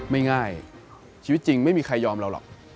ไม่ง่ายชีวิตจริงไม่มีใครยอมเราหรอก